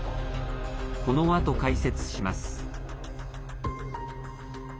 このあと解説します。